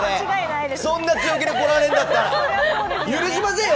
そんな強気でこられるんだったら許しませんよ！